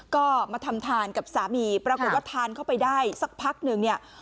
ก็มาทำทานกับสามีปรากฏว่าทานเข้าไปได้สักพักหนึ่งเนี่ย